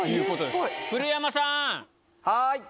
はい。